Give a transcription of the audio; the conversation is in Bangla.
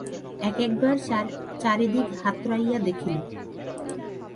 এক বার চারিদিক হাতড়াইয়া দেখিল।